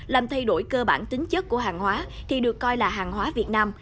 làm thay đổi cơ bản tính chất của hàng hóa thì được coi là hàng hóa việt nam